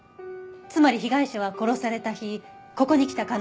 つまり被害者は殺された日ここに来た可能性がある。